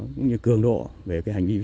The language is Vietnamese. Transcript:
cũng như cường độ về hành vi